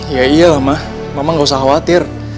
ya iya lah ma mama nggak usah khawatir